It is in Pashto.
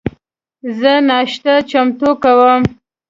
زه ناشته چمتو کوم